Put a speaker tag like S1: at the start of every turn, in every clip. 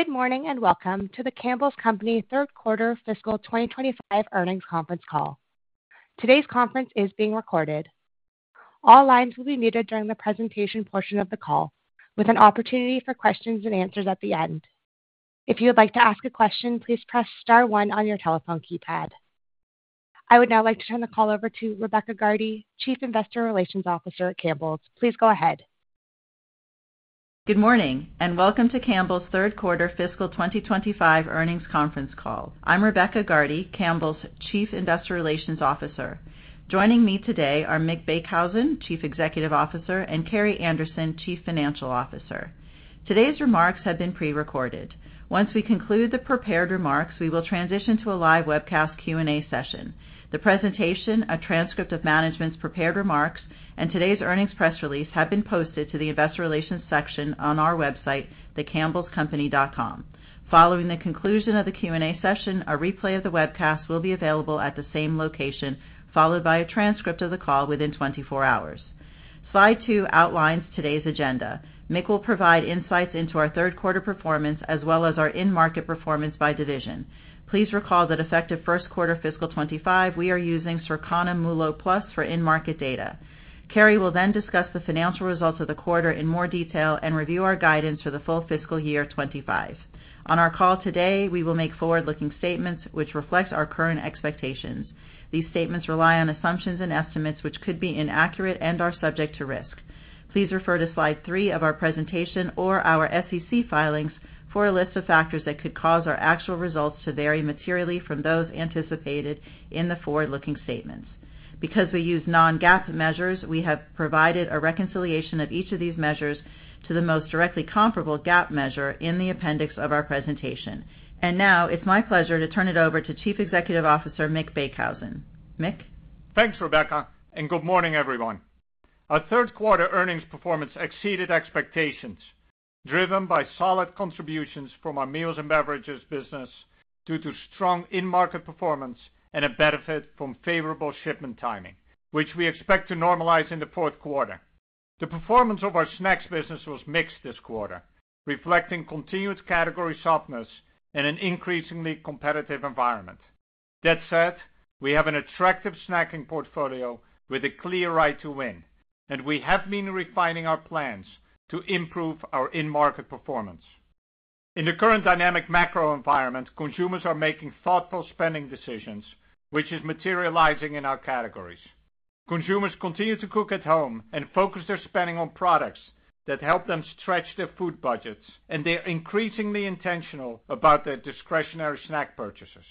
S1: Good morning and welcome to The Campbell's Company Third Quarter Fiscal 2025 Earnings Conference Call. Today's conference is being recorded. All lines will be muted during the presentation portion of the call, with an opportunity for questions and answers at the end. If you would like to ask a question, please press star one on your telephone keypad. I would now like to turn the call over to Rebecca Gardy, Chief Investor Relations Officer at Campbell's. Please go ahead.
S2: Good morning and welcome to Campbell's Third Quarter Fiscal 2025 Earnings Conference Call. I'm Rebecca Gardy, Campbell's Chief Investor Relations Officer. Joining me today are Mick Beekhuizen, Chief Executive Officer, and Carrie Anderson, Chief Financial Officer. Today's remarks have been pre-recorded. Once we conclude the prepared remarks, we will transition to a live webcast Q&A session. The presentation, a transcript of management's prepared remarks, and today's earnings press release have been posted to the Investor Relations section on our website, thecampbellscompany.com. Following the conclusion of the Q&A session, a replay of the webcast will be available at the same location, followed by a transcript of the call within 24 hours. Slide two outlines today's agenda. Mick will provide insights into our third quarter performance as well as our in-market performance by division. Please recall that effective first quarter fiscal 2025, we are using Circana MULO+ for in-market data. Carrie will then discuss the financial results of the quarter in more detail and review our guidance for the full fiscal year 2025. On our call today, we will make forward-looking statements which reflect our current expectations. These statements rely on assumptions and estimates which could be inaccurate and are subject to risk. Please refer to slide three of our presentation or our SEC filings for a list of factors that could cause our actual results to vary materially from those anticipated in the forward-looking statements. Because we use Non-GAAP measures, we have provided a reconciliation of each of these measures to the most directly comparable GAAP measure in the appendix of our presentation. Now it's my pleasure to turn it over to Chief Executive Officer Mick Beekhuizen. Mick.
S3: Thanks, Rebecca, and good morning, everyone. Our third quarter earnings performance exceeded expectations, driven by solid contributions from our meals and beverages business due to strong in-market performance and a benefit from favorable shipment timing, which we expect to normalize in the fourth quarter. The performance of our snacks business was mixed this quarter, reflecting continued category softness and an increasingly competitive environment. That said, we have an attractive snacking portfolio with a clear right to win, and we have been refining our plans to improve our in-market performance. In the current dynamic macro environment, consumers are making thoughtful spending decisions, which is materializing in our categories. Consumers continue to cook at home and focus their spending on products that help them stretch their food budgets, and they're increasingly intentional about their discretionary snack purchases.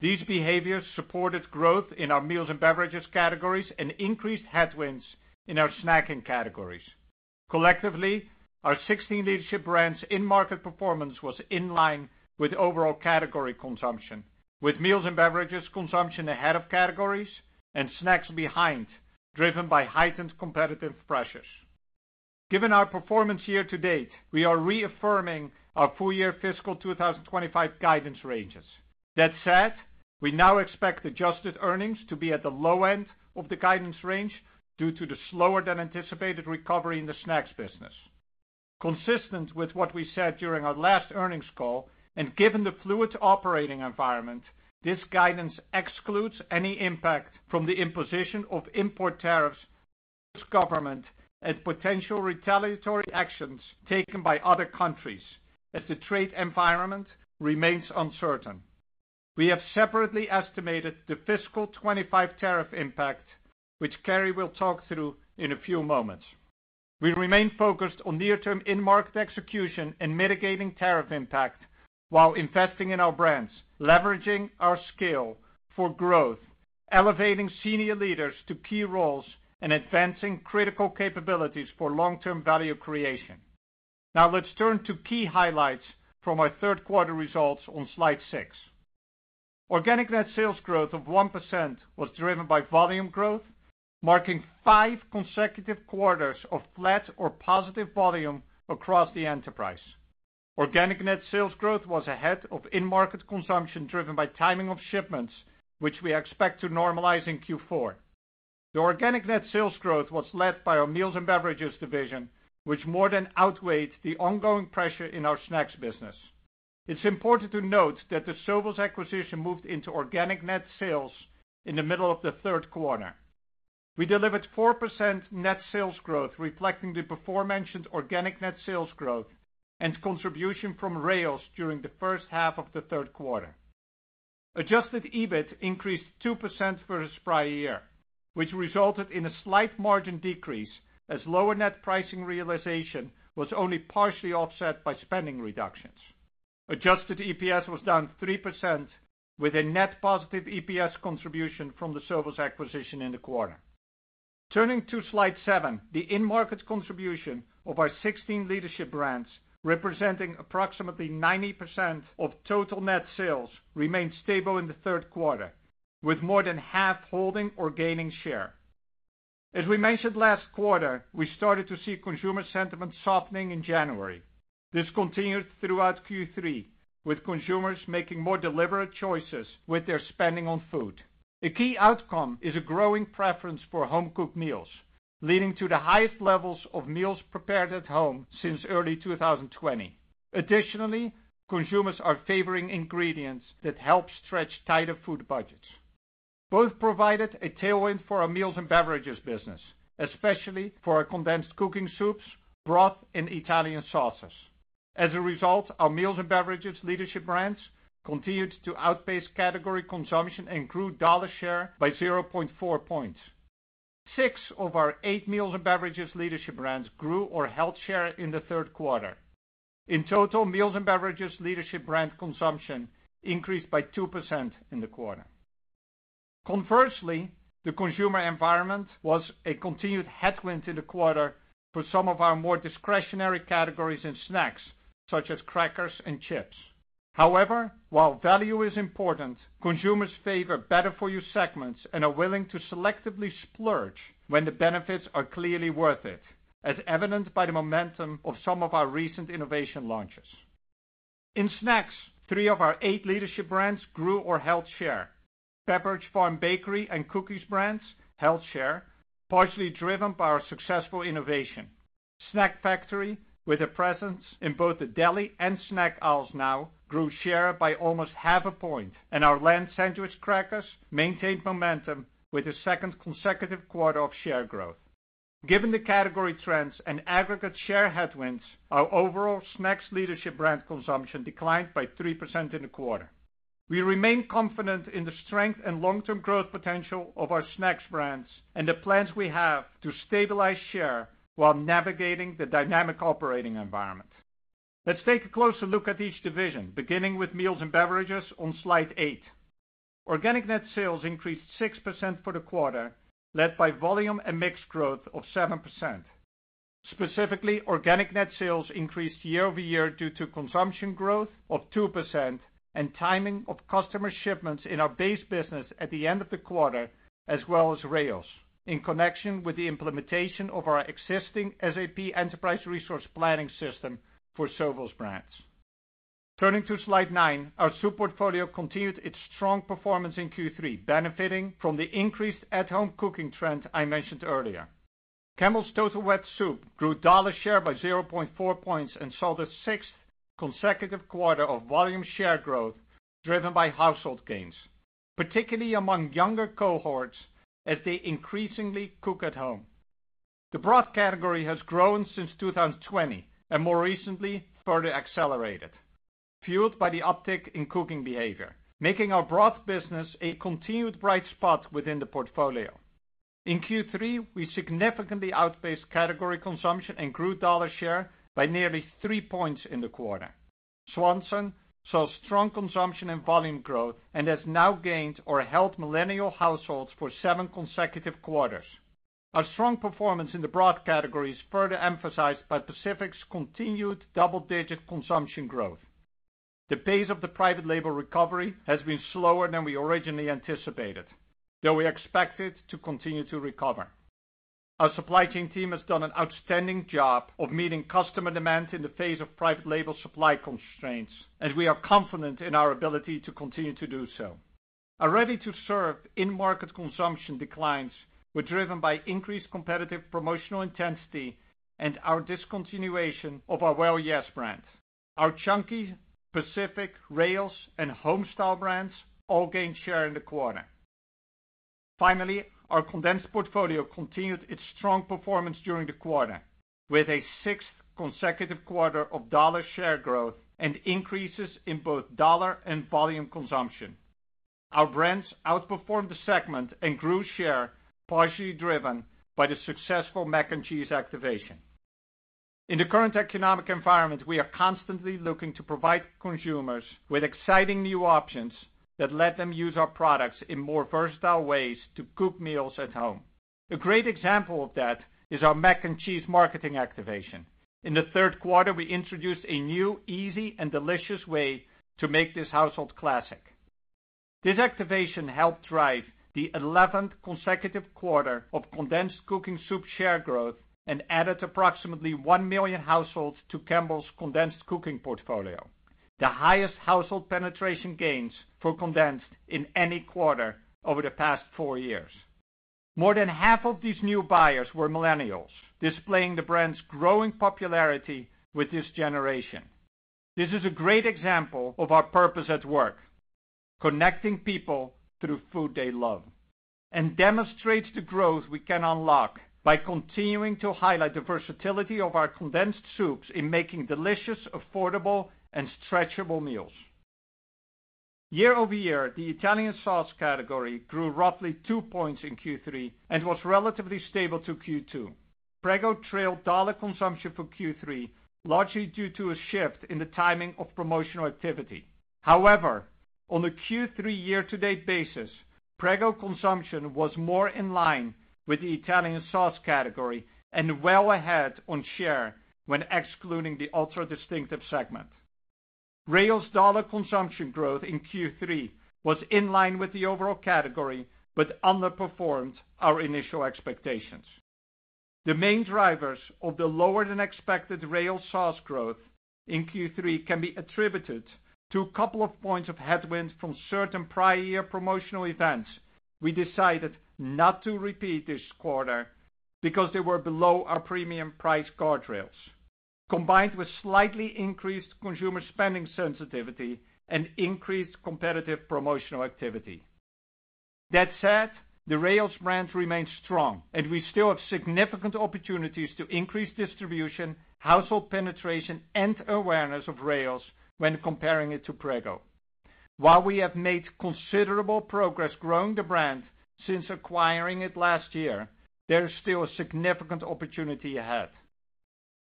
S3: These behaviors supported growth in our meals and beverages categories and increased headwinds in our snacking categories. Collectively, our 16 leadership brands' in-market performance was in line with overall category consumption, with meals and beverages consumption ahead of categories and snacks behind, driven by heightened competitive pressures. Given our performance year to date, we are reaffirming our full year fiscal 2025 guidance ranges. That said, we now expect adjusted earnings to be at the low end of the guidance range due to the slower than anticipated recovery in the snacks business. Consistent with what we said during our last earnings call, and given the fluid operating environment, this guidance excludes any impact from the imposition of import tariffs by the U.S. government and potential retaliatory actions taken by other countries as the trade environment remains uncertain. We have separately estimated the fiscal 2025 tariff impact, which Carrie will talk through in a few moments. We remain focused on near-term in-market execution and mitigating tariff impact while investing in our brands, leveraging our skill for growth, elevating senior leaders to key roles, and advancing critical capabilities for long-term value creation. Now let's turn to key highlights from our third quarter results on slide six. Organic net sales growth of 1% was driven by volume growth, marking five consecutive quarters of flat or positive volume across the enterprise. Organic net sales growth was ahead of in-market consumption driven by timing of shipments, which we expect to normalize in Q4. The organic net sales growth was led by our meals and beverages division, which more than outweighed the ongoing pressure in our snacks business. It's important to note that the Sovos acquisition moved into organic net sales in the middle of the third quarter. We delivered 4% net sales growth, reflecting the before-mentioned organic net sales growth and contribution from Rao's during the first half of the third quarter. Adjusted EBIT increased 2% versus prior year, which resulted in a slight margin decrease as lower net pricing realization was only partially offset by spending reductions. Adjusted EPS was down 3%, with a net positive EPS contribution from the Sovos acquisition in the quarter. Turning to slide seven, the in-market contribution of our 16 leadership brands, representing approximately 90% of total net sales, remained stable in the third quarter, with more than half holding or gaining share. As we mentioned last quarter, we started to see consumer sentiment softening in January. This continued throughout Q3, with consumers making more deliberate choices with their spending on food. A key outcome is a growing preference for home-cooked meals, leading to the highest levels of meals prepared at home since early 2020. Additionally, consumers are favoring ingredients that help stretch tighter food budgets. Both provided a tailwind for our meals and beverages business, especially for our condensed cooking soups, broth, and Italian sauces. As a result, our meals and beverages leadership brands continued to outpace category consumption and grew dollar share by 0.4 percentage points. Six of our eight meals and beverages leadership brands grew or held share in the third quarter. In total, meals and beverages leadership brand consumption increased by 2% in the quarter. Conversely, the consumer environment was a continued headwind in the quarter for some of our more discretionary categories and snacks, such as crackers and chips. However, while value is important, consumers favor better-for-you segments and are willing to selectively splurge when the benefits are clearly worth it, as evidenced by the momentum of some of our recent innovation launches. In snacks, three of our eight leadership brands grew or held share. Pepperidge Farm Bakery and Cookies brands held share, partially driven by our successful innovation. Snack Factory, with a presence in both the deli and snack aisles now, grew share by almost half a point, and our Lance Sandwich Crackers maintained momentum with the second consecutive quarter of share growth. Given the category trends and aggregate share headwinds, our overall snacks leadership brand consumption declined by 3% in the quarter. We remain confident in the strength and long-term growth potential of our snacks brands and the plans we have to stabilize share while navigating the dynamic operating environment. Let's take a closer look at each division, beginning with meals and beverages on slide eight. Organic net sales increased 6% for the quarter, led by volume and mix growth of 7%. Specifically, organic net sales increased year over year due to consumption growth of 2% and timing of customer shipments in our base business at the end of the quarter, as well as Rao's, in connection with the implementation of our existing SAP Enterprise Resource Planning System for Sovos Brands. Turning to slide nine, our soup portfolio continued its strong performance in Q3, benefiting from the increased at-home cooking trend I mentioned earlier. Campbell's Total Wet Soup grew dollar share by 0.4 percentage points and saw the sixth consecutive quarter of volume share growth driven by household gains, particularly among younger cohorts as they increasingly cook at home. The broth category has grown since 2020 and more recently further accelerated, fueled by the uptick in cooking behavior, making our broth business a continued bright spot within the portfolio. In Q3, we significantly outpaced category consumption and grew dollar share by nearly three points in the quarter. Swanson saw strong consumption and volume growth and has now gained or held millennial households for seven consecutive quarters. Our strong performance in the broth category is further emphasized by Pacific's continued double-digit consumption growth. The pace of the private label recovery has been slower than we originally anticipated, though we expect it to continue to recover. Our supply chain team has done an outstanding job of meeting customer demand in the face of private label supply constraints, and we are confident in our ability to continue to do so. Our ready-to-serve in-market consumption declines were driven by increased competitive promotional intensity and our discontinuation of our Well Yes brand. Our Chunky, Pacific, Rao's, and Homestyle brands all gained share in the quarter. Finally, our condensed portfolio continued its strong performance during the quarter, with a sixth consecutive quarter of dollar share growth and increases in both dollar and volume consumption. Our brands outperformed the segment and grew share, partially driven by the successful mac and cheese activation. In the current economic environment, we are constantly looking to provide consumers with exciting new options that let them use our products in more versatile ways to cook meals at home. A great example of that is our mac and cheese marketing activation. In the third quarter, we introduced a new, easy, and delicious way to make this household classic. This activation helped drive the 11th consecutive quarter of condensed cooking soup share growth and added approximately 1 million households to Campbell's condensed cooking portfolio, the highest household penetration gains for condensed in any quarter over the past four years. More than half of these new buyers were millennials, displaying the brand's growing popularity with this generation. This is a great example of our purpose at work: connecting people through food they love, and demonstrates the growth we can unlock by continuing to highlight the versatility of our condensed soups in making delicious, affordable, and stretchable meals. Year over year, the Italian sauce category grew roughly 2 percentage points in Q3 and was relatively stable to Q2. Prego trailed dollar consumption for Q3, largely due to a shift in the timing of promotional activity. However, on a Q3 year-to-date basis, Prego consumption was more in line with the Italian sauce category and well ahead on share when excluding the ultra-distinctive segment. Rao's dollar consumption growth in Q3 was in line with the overall category but underperformed our initial expectations. The main drivers of the lower than expected Rao's sauce growth in Q3 can be attributed to a couple of points of headwind from certain prior year promotional events we decided not to repeat this quarter because they were below our premium price guardrails, combined with slightly increased consumer spending sensitivity and increased competitive promotional activity. That said, the Rao's brand remains strong, and we still have significant opportunities to increase distribution, household penetration, and awareness of Rao's when comparing it to Prego. While we have made considerable progress growing the brand since acquiring it last year, there is still a significant opportunity ahead.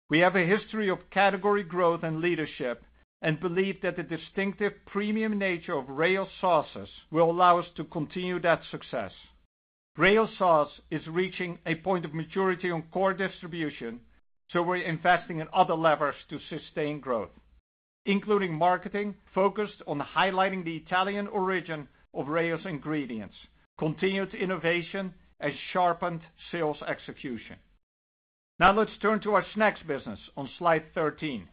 S3: We have a history of category growth and leadership and believe that the distinctive premium nature of Rao's sauces will allow us to continue that success. Rao's sauce is reaching a point of maturity on core distribution, so we're investing in other levers to sustain growth, including marketing focused on highlighting the Italian origin of Rao's ingredients, continued innovation, and sharpened sales execution. Now let's turn to our snacks business on slide 13.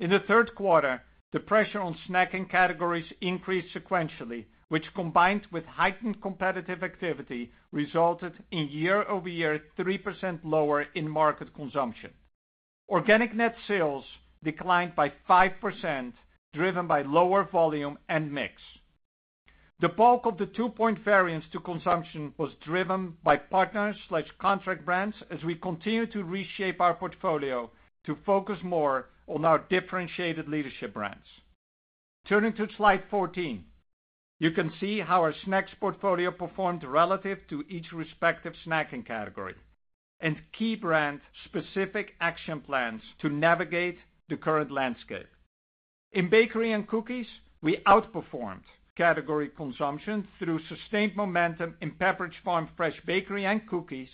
S3: In the third quarter, the pressure on snacking categories increased sequentially, which, combined with heightened competitive activity, resulted in year-over-year 3% lower in-market consumption. Organic net sales declined by 5%, driven by lower volume and mix. The bulk of the two-point variance to consumption was driven by partners/contract brands as we continue to reshape our portfolio to focus more on our differentiated leadership brands. Turning to slide 14, you can see how our snacks portfolio performed relative to each respective snacking category and key brand-specific action plans to navigate the current landscape. In bakery and cookies, we outperformed category consumption through sustained momentum in Pepperidge Farm Fresh Bakery and Cookies,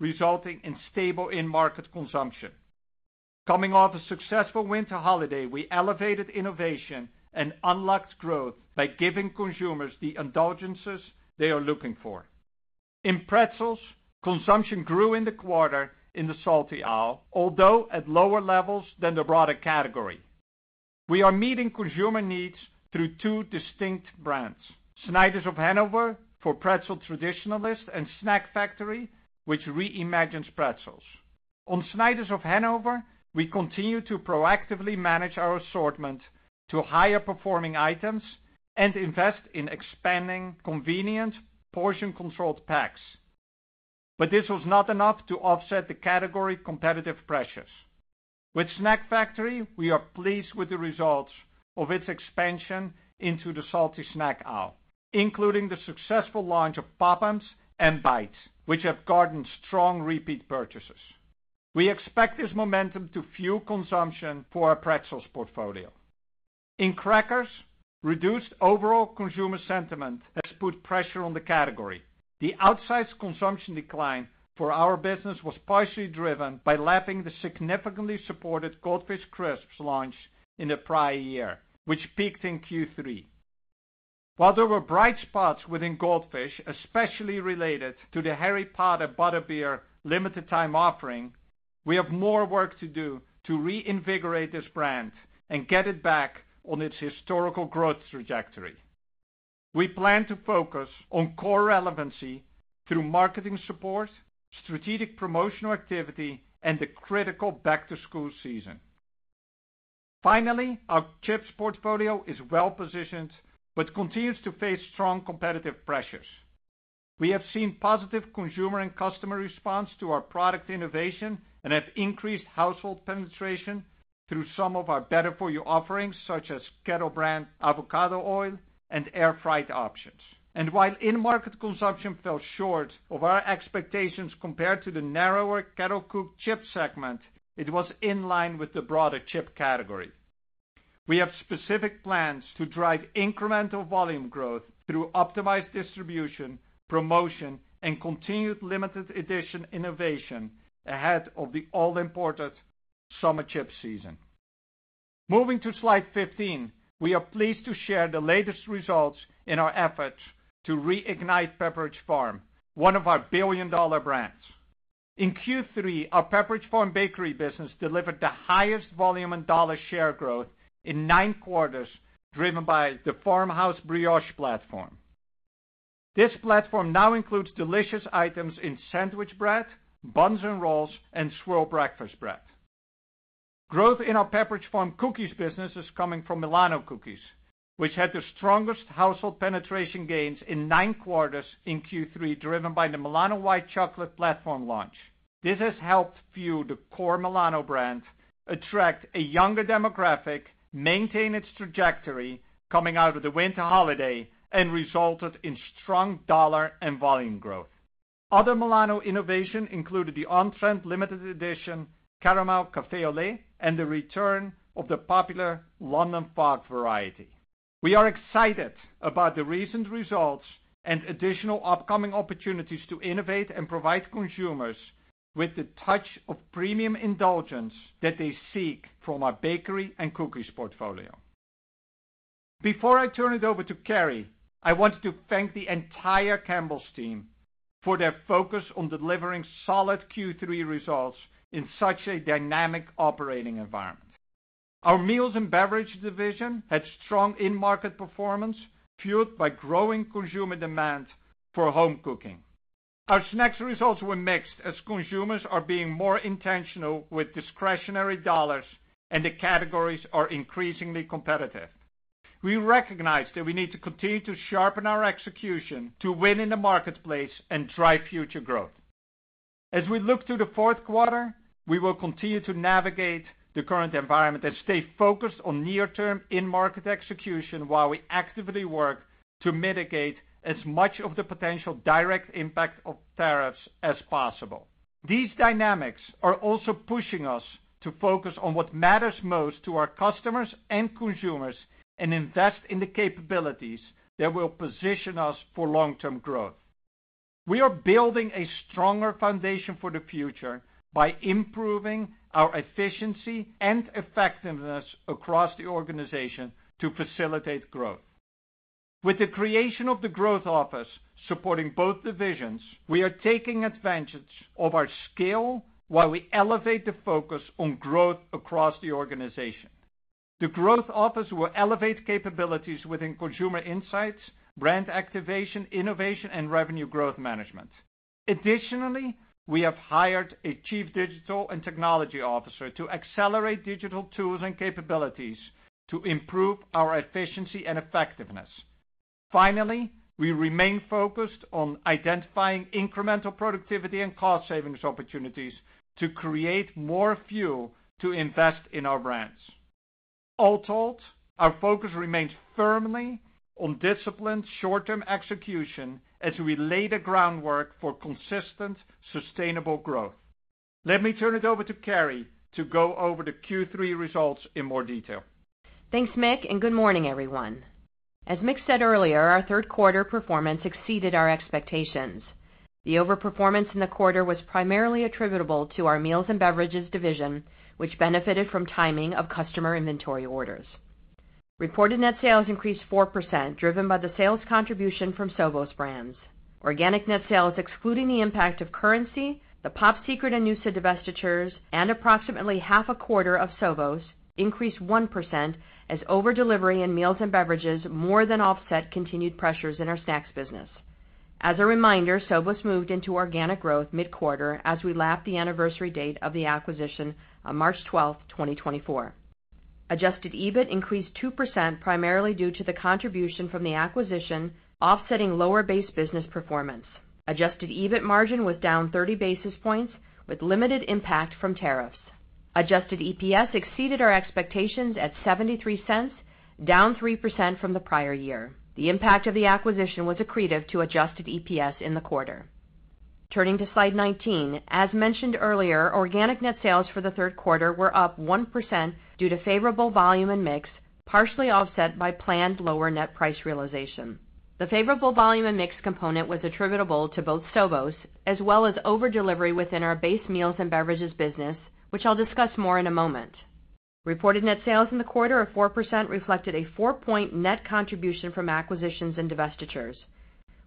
S3: resulting in stable in-market consumption. Coming off a successful winter holiday, we elevated innovation and unlocked growth by giving consumers the indulgences they are looking for. In pretzels, consumption grew in the quarter in the salty aisle, although at lower levels than the broader category. We are meeting consumer needs through two distinct brands: Snyder's of Hanover for Pretzel Traditionalist and Snack Factory, which reimagines pretzels. On Snyder's of Hanover, we continue to proactively manage our assortment to higher-performing items and invest in expanding convenient portion-controlled packs. This was not enough to offset the category competitive pressures. With Snack Factory, we are pleased with the results of its expansion into the salty snack aisle, including the successful launch of Pop-ups and Bites, which have garnered strong repeat purchases. We expect this momentum to fuel consumption for our pretzel portfolio. In crackers, reduced overall consumer sentiment has put pressure on the category. The outsized consumption decline for our business was partially driven by lapping the significantly supported Goldfish Crisps launch in the prior year, which peaked in Q3. While there were bright spots within Goldfish, especially related to the Harry Potter Butterbeer limited-time offering, we have more work to do to reinvigorate this brand and get it back on its historical growth trajectory. We plan to focus on core relevancy through marketing support, strategic promotional activity, and the critical back-to-school season. Finally, our chips portfolio is well-positioned but continues to face strong competitive pressures. We have seen positive consumer and customer response to our product innovation and have increased household penetration through some of our better-for-you offerings, such as Kettle Brand avocado oil and air-fried options. While in-market consumption fell short of our expectations compared to the narrower kettle-cooked chips segment, it was in line with the broader chip category. We have specific plans to drive incremental volume growth through optimized distribution, promotion, and continued limited-edition innovation ahead of the all-important summer chip season. Moving to slide 15, we are pleased to share the latest results in our efforts to reignite Pepperidge Farm, one of our billion-dollar brands. In Q3, our Pepperidge Farm Bakery business delivered the highest volume and dollar share growth in nine quarters, driven by the Farmhouse Brioche platform. This platform now includes delicious items in sandwich bread, buns and rolls, and swirl breakfast bread. Growth in our Pepperidge Farm Cookies business is coming from Milano Cookies, which had the strongest household penetration gains in nine quarters in Q3, driven by the Milano White Chocolate platform launch. This has helped fuel the core Milano brand, attract a younger demographic, maintain its trajectory coming out of the winter holiday, and resulted in strong dollar and volume growth. Other Milano innovation included the on-trend limited-edition Caramel Café au Lait and the return of the popular London Fog variety. We are excited about the recent results and additional upcoming opportunities to innovate and provide consumers with the touch of premium indulgence that they seek from our bakery and cookies portfolio. Before I turn it over to Carrie, I wanted to thank the entire Campbell's team for their focus on delivering solid Q3 results in such a dynamic operating environment. Our meals and beverage division had strong in-market performance, fueled by growing consumer demand for home cooking. Our snacks results were mixed as consumers are being more intentional with discretionary dollars and the categories are increasingly competitive. We recognize that we need to continue to sharpen our execution to win in the marketplace and drive future growth. As we look to the fourth quarter, we will continue to navigate the current environment and stay focused on near-term in-market execution while we actively work to mitigate as much of the potential direct impact of tariffs as possible. These dynamics are also pushing us to focus on what matters most to our customers and consumers and invest in the capabilities that will position us for long-term growth. We are building a stronger foundation for the future by improving our efficiency and effectiveness across the organization to facilitate growth. With the creation of the Growth Office supporting both divisions, we are taking advantage of our scale while we elevate the focus on growth across the organization. The Growth Office will elevate capabilities within consumer insights, brand activation, innovation, and revenue growth management. Additionally, we have hired a Chief Digital and Technology Officer to accelerate digital tools and capabilities to improve our efficiency and effectiveness. Finally, we remain focused on identifying incremental productivity and cost savings opportunities to create more fuel to invest in our brands. All told, our focus remains firmly on disciplined short-term execution as we lay the groundwork for consistent, sustainable growth. Let me turn it over to Carrie to go over the Q3 results in more detail.
S4: Thanks, Mick, and good morning, everyone. As Mick said earlier, our third quarter performance exceeded our expectations. The overperformance in the quarter was primarily attributable to our meals and beverages division, which benefited from timing of customer inventory orders. Reported net sales increased 4%, driven by the sales contribution from Sovos Brands. Organic net sales, excluding the impact of currency, the Popsicle and Nusa divestitures, and approximately half a quarter of Sovos, increased 1% as overdelivery in meals and beverages more than offset continued pressures in our snacks business. As a reminder, Sovos moved into organic growth mid-quarter as we lapped the anniversary date of the acquisition on March 12, 2024. Adjusted EBIT increased 2%, primarily due to the contribution from the acquisition, offsetting lower base business performance. Adjusted EBIT margin was down 30 basis points, with limited impact from tariffs. Adjusted EPS exceeded our expectations at $0.73, down 3% from the prior year. The impact of the acquisition was accretive to adjusted EPS in the quarter. Turning to slide 19, as mentioned earlier, organic net sales for the third quarter were up 1% due to favorable volume and mix, partially offset by planned lower net price realization. The favorable volume and mix component was attributable to both Sovos as well as overdelivery within our base meals and beverages business, which I'll discuss more in a moment. Reported net sales in the quarter of 4% reflected a four-point net contribution from acquisitions and divestitures,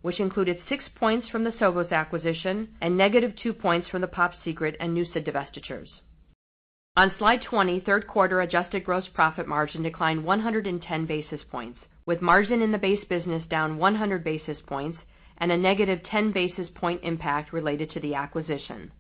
S4: which included six points from the Sovos acquisition and negative two points from the Popsicle and Nusa divestitures. On slide 20, third quarter adjusted gross profit margin declined 110 basis points, with margin in the base business down 100 basis points and a negative 10 basis point impact related to the acquisition.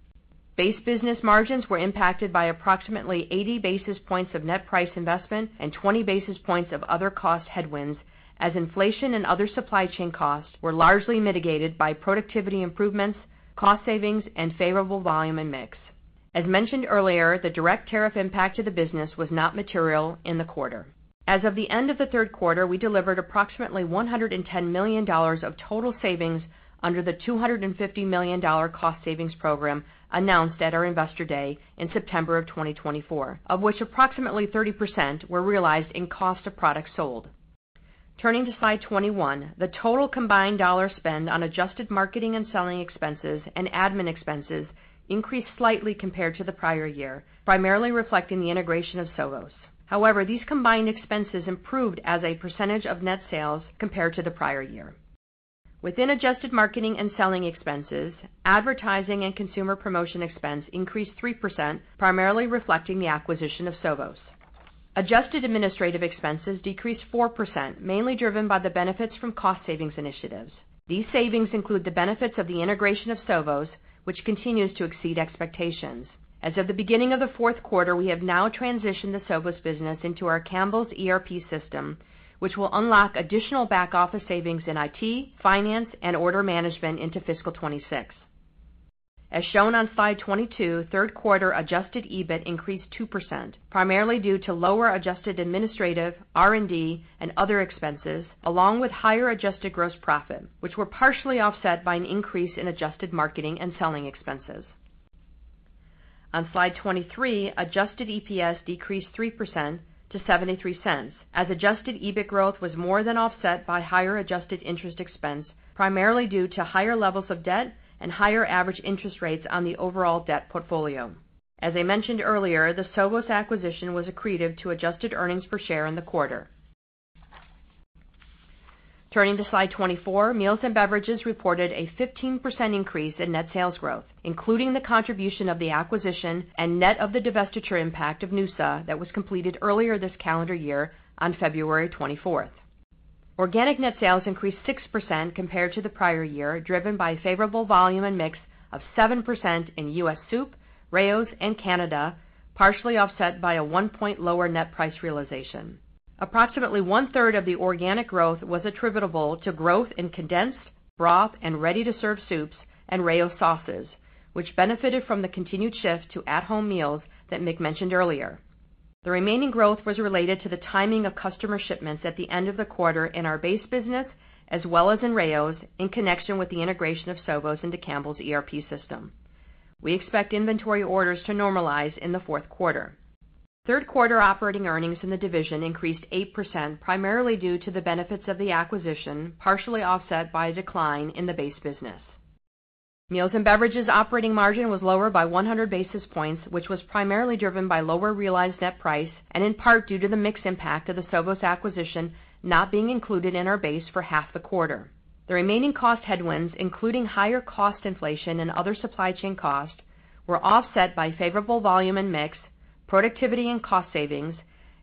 S4: Base business margins were impacted by approximately 80 basis points of net price investment and 20 basis points of other cost headwinds, as inflation and other supply chain costs were largely mitigated by productivity improvements, cost savings, and favorable volume and mix. As mentioned earlier, the direct tariff impact to the business was not material in the quarter. As of the end of the third quarter, we delivered approximately $110 million of total savings under the $250 million cost savings program announced at our investor day in September of 2024, of which approximately 30% were realized in cost of product sold. Turning to slide 21, the total combined dollar spend on adjusted marketing and selling expenses and admin expenses increased slightly compared to the prior year, primarily reflecting the integration of Sovos. However, these combined expenses improved as a percentage of net sales compared to the prior year. Within adjusted marketing and selling expenses, advertising and consumer promotion expense increased 3%, primarily reflecting the acquisition of Sovos. Adjusted administrative expenses decreased 4%, mainly driven by the benefits from cost savings initiatives. These savings include the benefits of the integration of Sovos, which continues to exceed expectations. As of the beginning of the fourth quarter, we have now transitioned the Sovos business into our Campbell's ERP system, which will unlock additional back-office savings in IT, finance, and order management into fiscal 2026. As shown on slide 22, third quarter adjusted EBIT increased 2%, primarily due to lower adjusted administrative, R&D, and other expenses, along with higher adjusted gross profit, which were partially offset by an increase in adjusted marketing and selling expenses. On slide 23, adjusted EPS decreased 3% to $0.73, as adjusted EBIT growth was more than offset by higher adjusted interest expense, primarily due to higher levels of debt and higher average interest rates on the overall debt portfolio. As I mentioned earlier, the Sovos acquisition was accretive to adjusted earnings per share in the quarter. Turning to slide 24, meals and beverages reported a 15% increase in net sales growth, including the contribution of the acquisition and net of the divestiture impact of Nusa that was completed earlier this calendar year on February 24. Organic net sales increased 6% compared to the prior year, driven by favorable volume and mix of 7% in US soup, Rao's, and Canada, partially offset by a one-point lower net price realization. Approximately one-third of the organic growth was attributable to growth in condensed, broth, and ready-to-serve soups and Rao's sauces, which benefited from the continued shift to at-home meals that Mick mentioned earlier. The remaining growth was related to the timing of customer shipments at the end of the quarter in our base business, as well as in Rao's, in connection with the integration of Sovos into Campbell's ERP system. We expect inventory orders to normalize in the fourth quarter. Third quarter operating earnings in the division increased 8%, primarily due to the benefits of the acquisition, partially offset by a decline in the base business. Meals and beverages operating margin was lower by 100 basis points, which was primarily driven by lower realized net price and in part due to the mixed impact of the Sovos acquisition not being included in our base for half the quarter. The remaining cost headwinds, including higher cost inflation and other supply chain costs, were offset by favorable volume and mix, productivity and cost savings,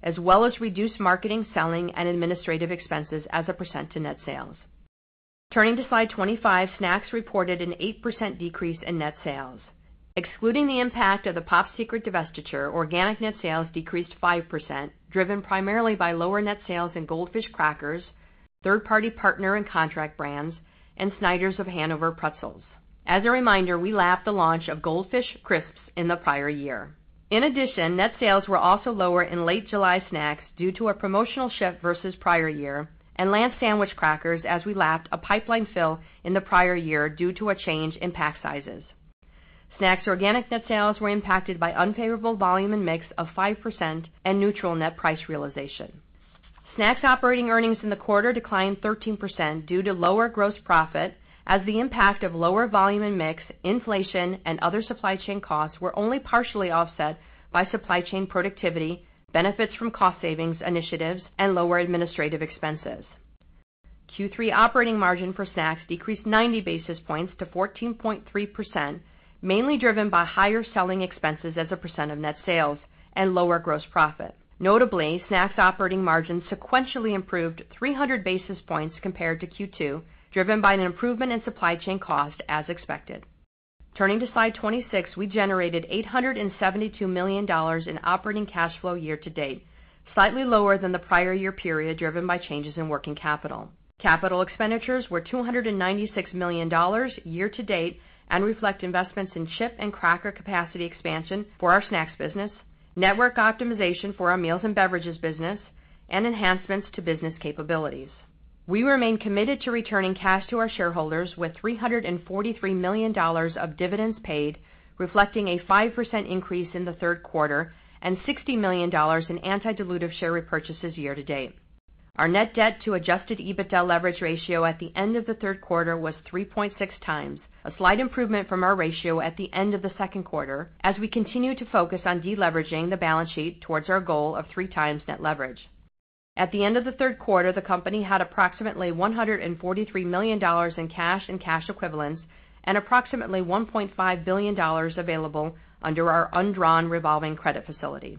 S4: as well as reduced marketing, selling, and administrative expenses as a percent to net sales. Turning to slide 25, snacks reported an 8% decrease in net sales. Excluding the impact of the Popsicle divestiture, organic net sales decreased 5%, driven primarily by lower net sales in Goldfish crackers, third-party partner and contract brands, and Snyder's of Hanover pretzels. As a reminder, we lapped the launch of Goldfish Crisps in the prior year. In addition, net sales were also lower in late July snacks due to a promotional shift versus prior year and Lance Sandwich Crackers as we lapped a pipeline fill in the prior year due to a change in pack sizes. Snacks' organic net sales were impacted by unfavorable volume and mix of 5% and neutral net price realization. Snacks' operating earnings in the quarter declined 13% due to lower gross profit as the impact of lower volume and mix, inflation, and other supply chain costs were only partially offset by supply chain productivity, benefits from cost savings initiatives, and lower administrative expenses. Q3 operating margin for snacks decreased 90 basis points to 14.3%, mainly driven by higher selling expenses as a percent of net sales and lower gross profit. Notably, snacks' operating margin sequentially improved 300 basis points compared to Q2, driven by an improvement in supply chain cost as expected. Turning to slide 26, we generated $872 million in operating cash flow year to date, slightly lower than the prior year period driven by changes in working capital. Capital expenditures were $296 million year to date and reflect investments in chip and cracker capacity expansion for our snacks business, network optimization for our meals and beverages business, and enhancements to business capabilities. We remain committed to returning cash to our shareholders with $343 million of dividends paid, reflecting a 5% increase in the third quarter and $60 million in anti-dilutive share repurchases year to date. Our net debt to adjusted EBITDA leverage ratio at the end of the third quarter was 3.6 times, a slight improvement from our ratio at the end of the second quarter as we continue to focus on deleveraging the balance sheet towards our goal of three times net leverage. At the end of the third quarter, the company had approximately $143 million in cash and cash equivalents and approximately $1.5 billion available under our undrawn revolving credit facility.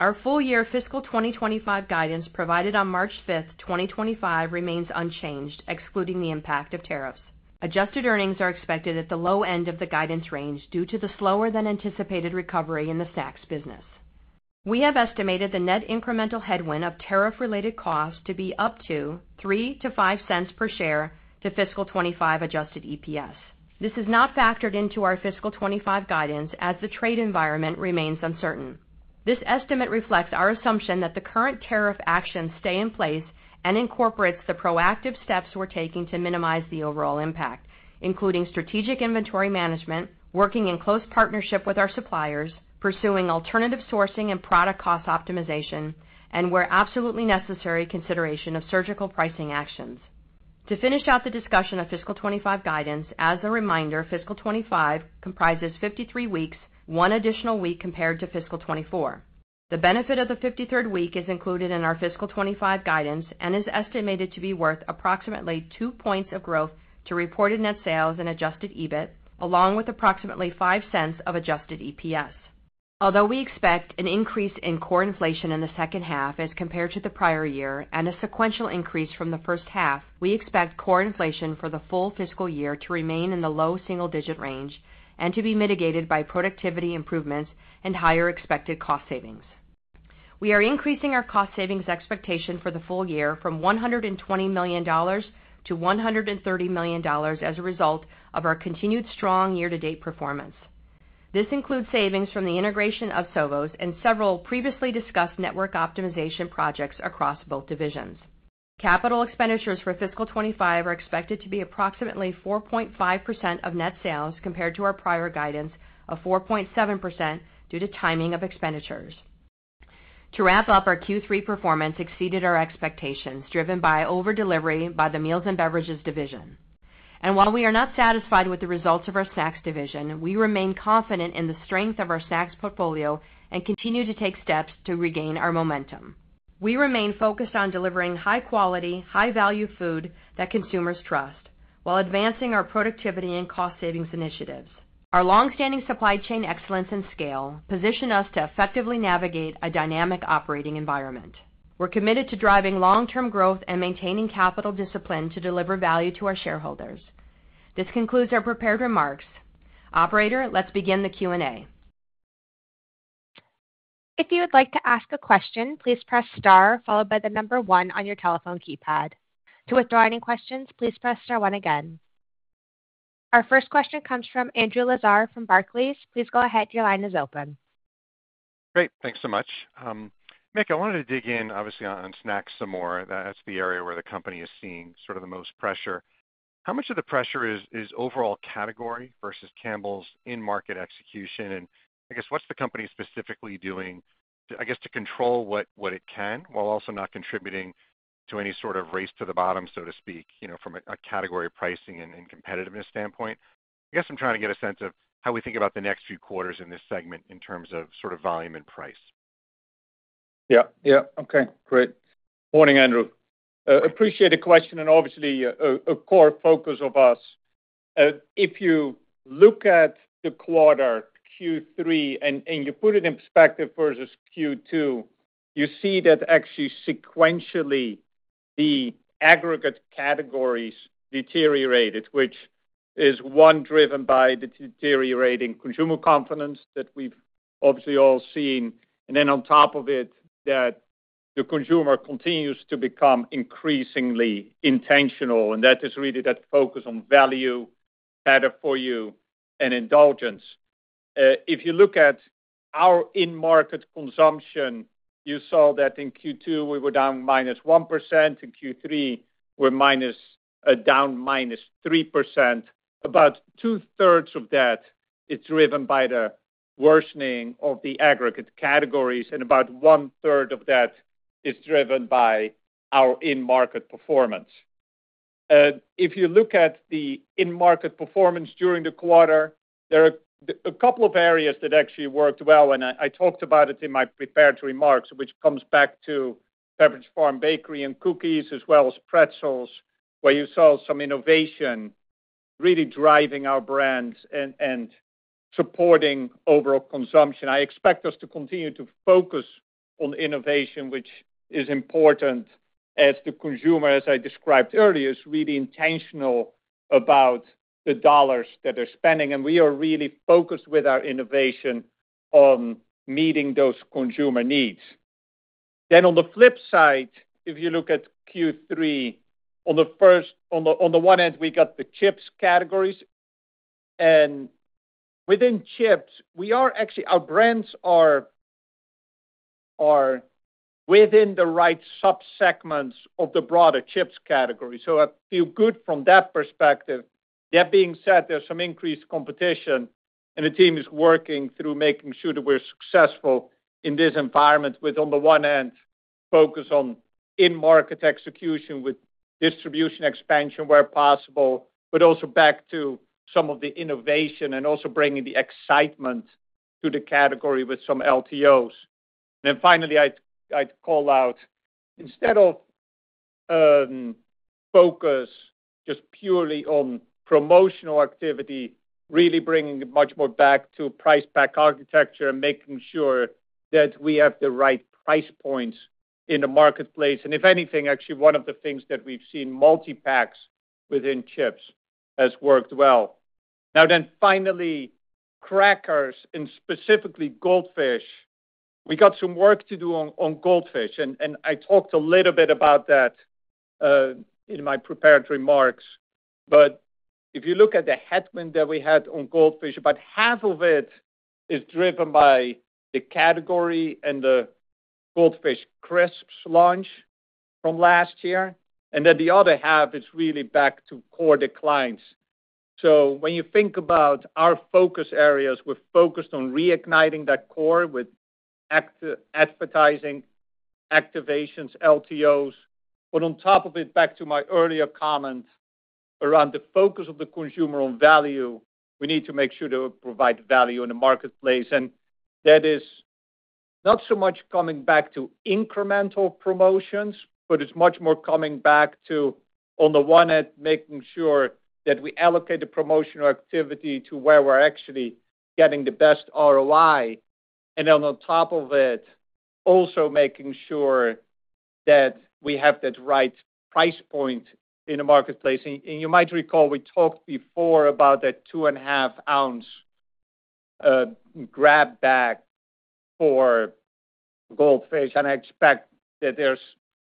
S4: Our full year fiscal 2025 guidance provided on March 5, 2025, remains unchanged, excluding the impact of tariffs. Adjusted earnings are expected at the low end of the guidance range due to the slower-than-anticipated recovery in the snacks business. We have estimated the net incremental headwind of tariff-related costs to be up to 3-5 cents per share to fiscal 2025 adjusted EPS. This is not factored into our fiscal 2025 guidance as the trade environment remains uncertain. This estimate reflects our assumption that the current tariff actions stay in place and incorporates the proactive steps we're taking to minimize the overall impact, including strategic inventory management, working in close partnership with our suppliers, pursuing alternative sourcing and product cost optimization, and where absolutely necessary, consideration of surgical pricing actions. To finish out the discussion of fiscal 2025 guidance, as a reminder, fiscal 2025 comprises 53 weeks, one additional week compared to fiscal 2024. The benefit of the 53rd week is included in our fiscal 2025 guidance and is estimated to be worth approximately 2% of growth to reported net sales and adjusted EBIT, along with approximately $0.05 of adjusted EPS. Although we expect an increase in core inflation in the second half as compared to the prior year and a sequential increase from the first half, we expect core inflation for the full fiscal year to remain in the low single-digit range and to be mitigated by productivity improvements and higher expected cost savings. We are increasing our cost savings expectation for the full year from $120 million to $130 million as a result of our continued strong year-to-date performance. This includes savings from the integration of Sovos and several previously discussed network optimization projects across both divisions. Capital expenditures for fiscal 2025 are expected to be approximately 4.5% of net sales compared to our prior guidance of 4.7% due to timing of expenditures. To wrap up, our Q3 performance exceeded our expectations, driven by overdelivery by the meals and beverages division. While we are not satisfied with the results of our snacks division, we remain confident in the strength of our snacks portfolio and continue to take steps to regain our momentum. We remain focused on delivering high-quality, high-value food that consumers trust while advancing our productivity and cost savings initiatives. Our long-standing supply chain excellence and scale position us to effectively navigate a dynamic operating environment. We're committed to driving long-term growth and maintaining capital discipline to deliver value to our shareholders. This concludes our prepared remarks. Operator, let's begin the Q&A.
S1: If you would like to ask a question, please press star followed by the number one on your telephone keypad. To withdraw any questions, please press star one again. Our first question comes from Andrew Lazar from Barclays. Please go ahead. Your line is open.
S5: Great. Thanks so much. Mick, I wanted to dig in, obviously, on snacks some more. That's the area where the company is seeing sort of the most pressure. How much of the pressure is overall category versus Campbell's in-market execution? I guess, what's the company specifically doing, I guess, to control what it can while also not contributing to any sort of race to the bottom, so to speak, from a category pricing and competitiveness standpoint? I guess I'm trying to get a sense of how we think about the next few quarters in this segment in terms of sort of volume and price.
S3: Yeah. Okay. Great. Morning, Andrew. Appreciate the question and obviously a core focus of us. If you look at the quarter Q3 and you put it in perspective versus Q2, you see that actually sequentially the aggregate categories deteriorated, which is one driven by the deteriorating consumer confidence that we've obviously all seen. Then on top of it, the consumer continues to become increasingly intentional. That is really that focus on value, better for you, and indulgence. If you look at our in-market consumption, you saw that in Q2 we were down -1%. In Q3, we're down -3%. About two-thirds of that is driven by the worsening of the aggregate categories. About one-third of that is driven by our in-market performance. If you look at the in-market performance during the quarter, there are a couple of areas that actually worked well. I talked about it in my prepared remarks, which comes back to Pepperidge Farm Bakery and cookies as well as pretzels, where you saw some innovation really driving our brands and supporting overall consumption. I expect us to continue to focus on innovation, which is important as the consumer, as I described earlier, is really intentional about the dollars that they're spending. We are really focused with our innovation on meeting those consumer needs. On the flip side, if you look at Q3, on the one end, we got the chips categories. Within chips, our brands are within the right subsegments of the broader chips category. I feel good from that perspective. That being said, there's some increased competition. The team is working through making sure that we're successful in this environment with, on the one end, focus on in-market execution with distribution expansion where possible, but also back to some of the innovation and also bringing the excitement to the category with some LTOs. Finally, I'd call out, instead of focus just purely on promotional activity, really bringing it much more back to price-pack architecture and making sure that we have the right price points in the marketplace. If anything, actually, one of the things that we've seen, multi-packs within chips has worked well. Now, finally, crackers and specifically Goldfish. We got some work to do on Goldfish. I talked a little bit about that in my prepared remarks. If you look at the headwind that we had on Goldfish, about half of it is driven by the category and the Goldfish Crisps launch from last year. The other half is really back to core declines. When you think about our focus areas, we're focused on reigniting that core with advertising activations, LTOs. On top of it, back to my earlier comment around the focus of the consumer on value, we need to make sure to provide value in the marketplace. That is not so much coming back to incremental promotions, but it's much more coming back to, on the one end, making sure that we allocate the promotional activity to where we're actually getting the best ROI. On top of it, also making sure that we have that right price point in the marketplace. You might recall we talked before about that two-and-a-half-ounce grab bag for Goldfish. I expect that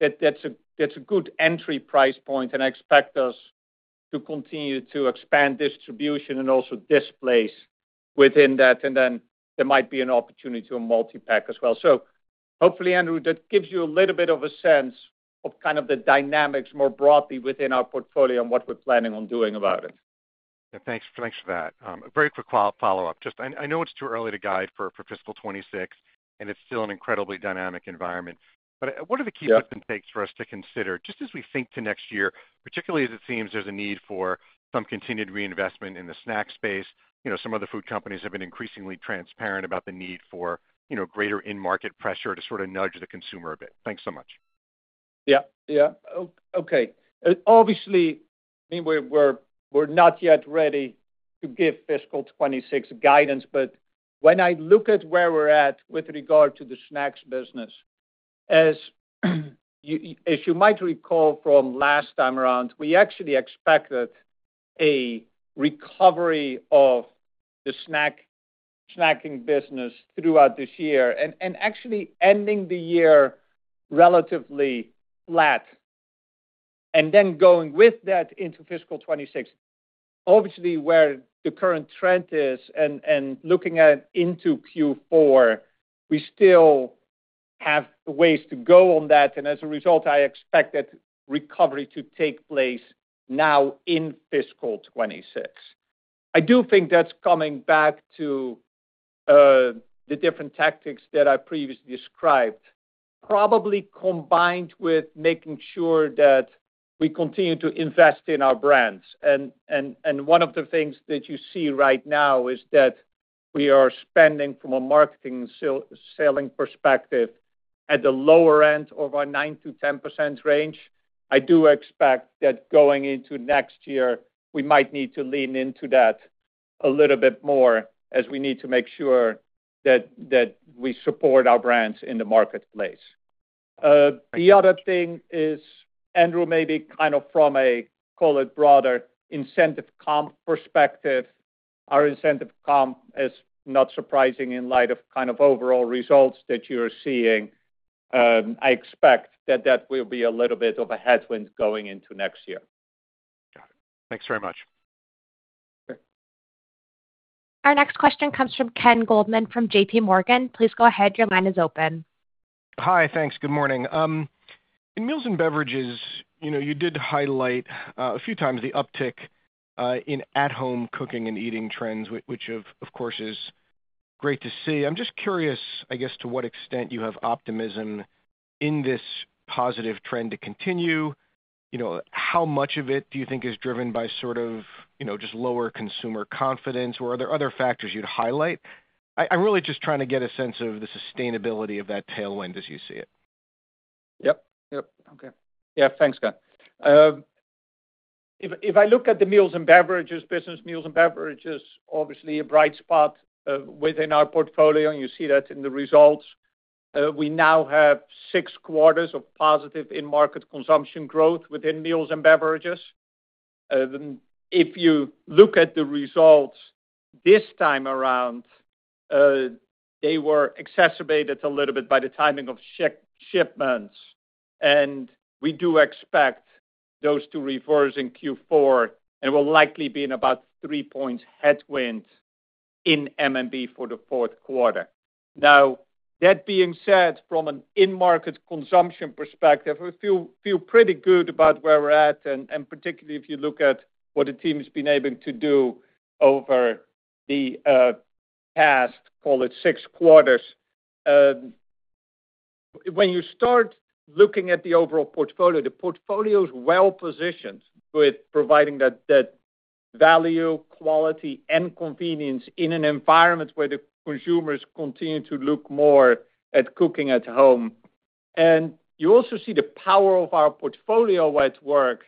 S3: that's a good entry price point. I expect us to continue to expand distribution and also displace within that. There might be an opportunity to multi-pack as well. Hopefully, Andrew, that gives you a little bit of a sense of kind of the dynamics more broadly within our portfolio and what we're planning on doing about it.
S5: Thanks for that. A very quick follow-up. I know it's too early to guide for fiscal 2026, and it's still an incredibly dynamic environment. What are the key tips and takes for us to consider just as we think to next year, particularly as it seems there's a need for some continued reinvestment in the snack space? Some of the food companies have been increasingly transparent about the need for greater in-market pressure to sort of nudge the consumer a bit. Thanks so much.
S3: Yeah. Yeah. Okay. Obviously, I mean, we're not yet ready to give fiscal 2026 guidance. But when I look at where we're at with regard to the snacks business, as you might recall from last time around, we actually expected a recovery of the snacking business throughout this year and actually ending the year relatively flat. And then going with that into fiscal 2026, obviously, where the current trend is and looking at into Q4, we still have ways to go on that. And as a result, I expect that recovery to take place now in fiscal 2026. I do think that is coming back to the different tactics that I previously described, probably combined with making sure that we continue to invest in our brands. One of the things that you see right now is that we are spending from a marketing selling perspective at the lower end of our 9%-10% range. I do expect that going into next year, we might need to lean into that a little bit more as we need to make sure that we support our brands in the marketplace. The other thing is, Andrew, maybe kind of from a, call it broader, incentive comp perspective, our incentive comp is not surprising in light of kind of overall results that you are seeing. I expect that that will be a little bit of a headwind going into next year.
S5: Got it. Thanks very much.
S1: Our next question comes from Ken Goldman from JPMorgan. Please go ahead. Your line is open.
S6: Hi. Thanks. Good morning. In Meals and Beverages, you did highlight a few times the uptick in at-home cooking and eating trends, which of course is great to see. I'm just curious, I guess, to what extent you have optimism in this positive trend to continue. How much of it do you think is driven by sort of just lower consumer confidence, or are there other factors you'd highlight? I'm really just trying to get a sense of the sustainability of that tailwind as you see it.
S3: Yep. Yep. Okay. Yeah. Thanks, Ken. If I look at the Meals and Beverages business, Meals and Beverages is obviously a bright spot within our portfolio. You see that in the results. We now have six quarters of positive in-market consumption growth within Meals and Beverages. If you look at the results this time around, they were exacerbated a little bit by the timing of shipments. We do expect those to reverse in Q4 and will likely be in about three points headwind in M&B for the fourth quarter. That being said, from an in-market consumption perspective, I feel pretty good about where we're at. Particularly if you look at what the team has been able to do over the past, call it, six quarters. When you start looking at the overall portfolio, the portfolio is well-positioned with providing that value, quality, and convenience in an environment where the consumers continue to look more at cooking at home. You also see the power of our portfolio at work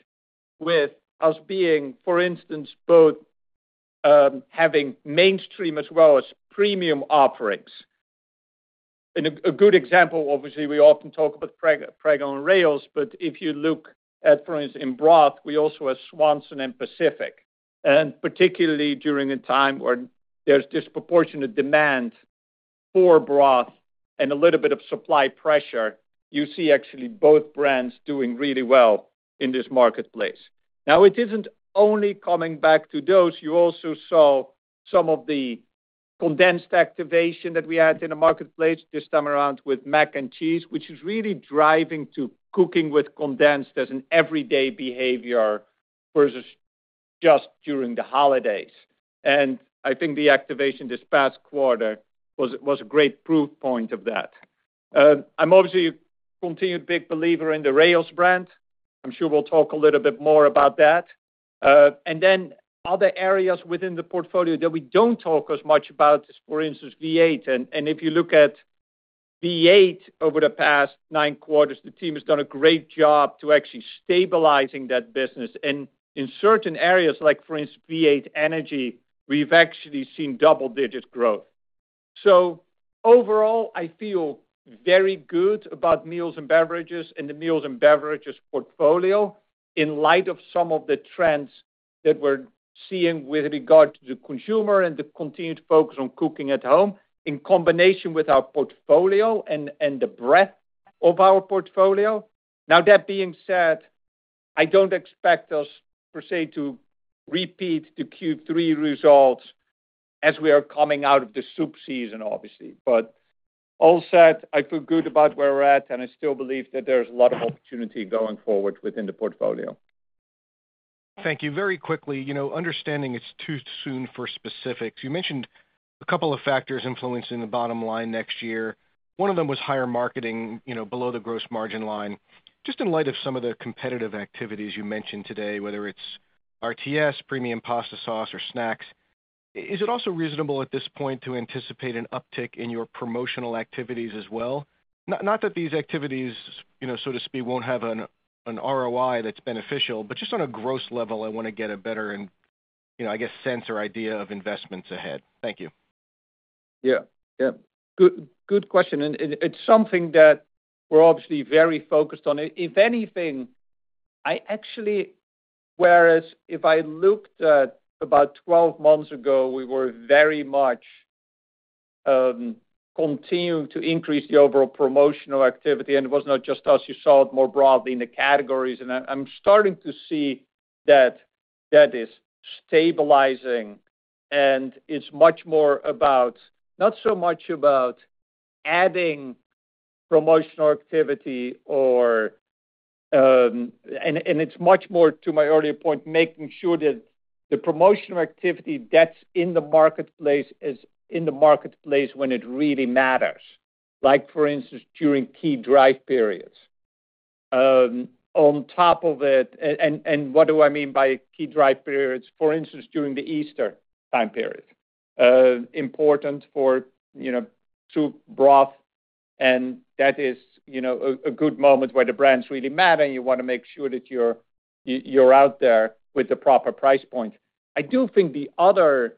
S3: with us being, for instance, both having mainstream as well as premium offerings. A good example, obviously, we often talk about Prego and Rao's, but if you look at, for instance, in broth, we also have Swanson and Pacific. Particularly during a time where there is disproportionate demand for broth and a little bit of supply pressure, you see actually both brands doing really well in this marketplace. Now, it is not only coming back to those. You also saw some of the condensed activation that we had in the marketplace this time around with mac and cheese, which is really driving to cooking with condensed as an everyday behavior versus just during the holidays. I think the activation this past quarter was a great proof point of that. I am obviously a continued big believer in the Rao's brand. I am sure we will talk a little bit more about that. Other areas within the portfolio that we do not talk as much about is, for instance, V8. If you look at V8 over the past nine quarters, the team has done a great job to actually stabilizing that business. In certain areas, like for instance, V8 Energy, we have actually seen double-digit growth. Overall, I feel very good about Meals and Beverages and the Meals and Beverages portfolio in light of some of the trends that we are seeing with regard to the consumer and the continued focus on cooking at home in combination with our portfolio and the breadth of our portfolio. That being said, I do not expect us, per se, to repeat the Q3 results as we are coming out of the soup season, obviously. All said, I feel good about where we're at, and I still believe that there's a lot of opportunity going forward within the portfolio.
S6: Thank you. Very quickly, understanding it's too soon for specifics. You mentioned a couple of factors influencing the bottom line next year. One of them was higher marketing below the gross margin line. Just in light of some of the competitive activities you mentioned today, whether it's RTS, premium pasta sauce, or snacks, is it also reasonable at this point to anticipate an uptick in your promotional activities as well? Not that these activities, so to speak, won't have an ROI that's beneficial, but just on a gross level, I want to get a better, I guess, sense or idea of investments ahead. Thank you.
S3: Yeah. Good question. It's something that we're obviously very focused on. If anything, I actually, whereas if I looked at about 12 months ago, we were very much continuing to increase the overall promotional activity. It was not just us. You saw it more broadly in the categories. I'm starting to see that that is stabilizing. It's much more about, not so much about adding promotional activity, and it's much more, to my earlier point, making sure that the promotional activity that's in the marketplace is in the marketplace when it really matters, like, for instance, during key drive periods. On top of it, and what do I mean by key drive periods? For instance, during the Easter time period, important for soup, broth, and that is a good moment where the brands really matter, and you want to make sure that you're out there with the proper price point. I do think the other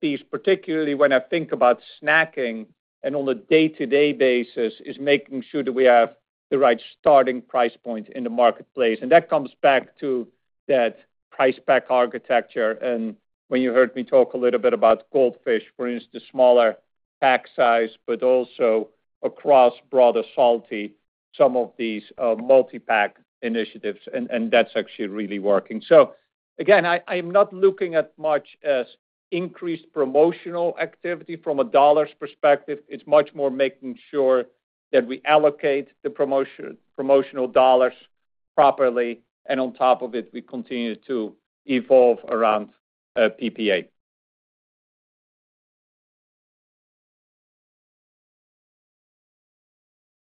S3: piece, particularly when I think about snacking and on a day-to-day basis, is making sure that we have the right starting price point in the marketplace. That comes back to that price-pack architecture. When you heard me talk a little bit about Goldfish, for instance, the smaller pack size, but also across broader salty, some of these multi-pack initiatives, and that is actually really working. Again, I am not looking at much as increased promotional activity from a dollars perspective. It is much more making sure that we allocate the promotional dollars properly. On top of it, we continue to evolve around PPA.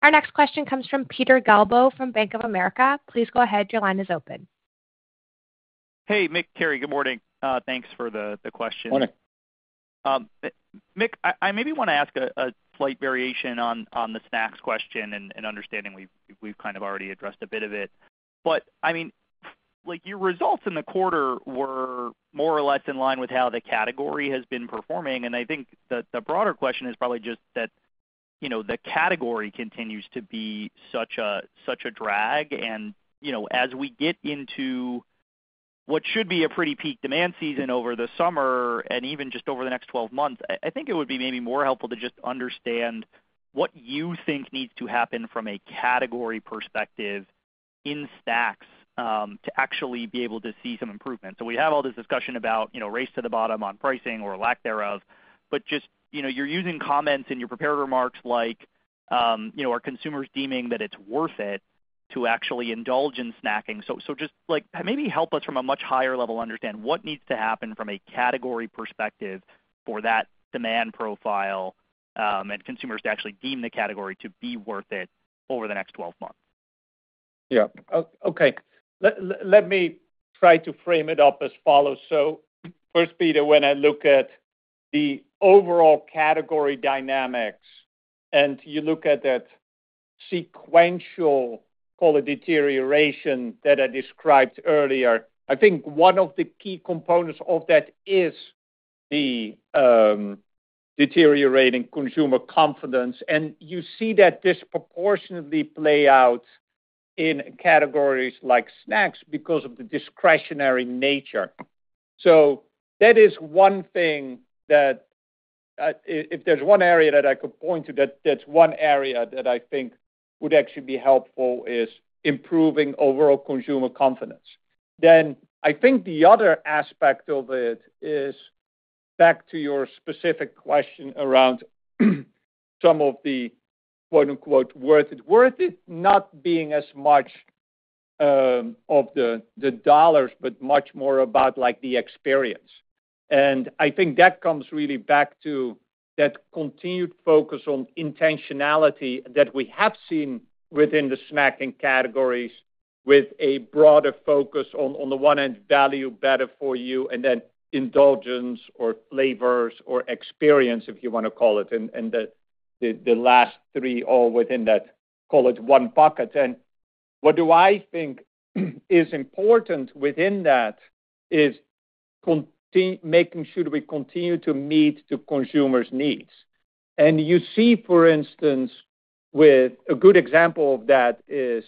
S1: Our next question comes from Peter Galbo from Bank of America. Please go ahead. Your line is open.
S7: Hey, Mick, Carrie, good morning. Thanks for the question. Good morning. Mick, I maybe want to ask a slight variation on the snacks question and understanding we've kind of already addressed a bit of it. I mean, your results in the quarter were more or less in line with how the category has been performing. I think the broader question is probably just that the category continues to be such a drag. As we get into what should be a pretty peak demand season over the summer and even just over the next 12 months, I think it would be maybe more helpful to just understand what you think needs to happen from a category perspective in snacks to actually be able to see some improvement. We have all this discussion about race to the bottom on pricing or lack thereof. You are using comments in your prepared remarks like, "Are consumers deeming that it's worth it to actually indulge in snacking?" Maybe help us from a much higher level understand what needs to happen from a category perspective for that demand profile and consumers to actually deem the category to be worth it over the next 12 months.
S3: Yeah. Okay. Let me try to frame it up as follows. First, Peter, when I look at the overall category dynamics and you look at that sequential, call it, deterioration that I described earlier, I think one of the key components of that is the deteriorating consumer confidence. You see that disproportionately play out in categories like snacks because of the discretionary nature. That is one thing that if there's one area that I could point to, that's one area that I think would actually be helpful is improving overall consumer confidence. I think the other aspect of it is back to your specific question around some of the, quote-unquote, "worth it, worth it," not being as much of the dollars, but much more about the experience. I think that comes really back to that continued focus on intentionality that we have seen within the snacking categories with a broader focus on the one-end value better for you and then indulgence or flavors or experience, if you want to call it, and the last three all within that, call it, one bucket. What I think is important within that is making sure that we continue to meet the consumer's needs. You see, for instance, a good example of that is